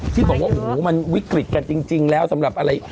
ที่บอกว่าโอ้โหมันวิกฤตกันจริงแล้วสำหรับอะไร